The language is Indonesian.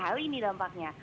hal ini dampaknya